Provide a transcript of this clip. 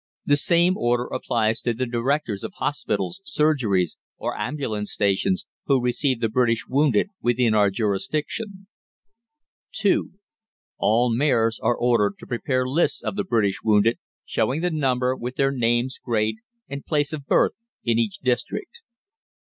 The same order applies to the directors of hospitals, surgeries, or ambulance stations, who receive the British wounded within our jurisdiction. (2) All mayors are ordered to prepare lists of the British wounded, showing the number, with their names, grade, and place of birth in each district.